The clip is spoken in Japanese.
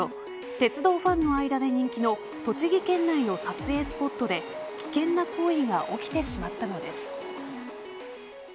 鉄道ファンの間で人気の栃木県内の撮影スポットで危険な行為が起きてしまったのです。